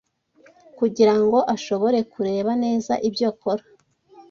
kugira ngo ashobore kureba neza ibyo akora